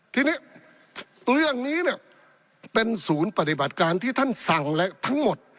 ทีนี้เรื่องนี้เนี่ยเป็นศูนย์ปฏิบัติการที่ท่านสั่งและทั้งหมด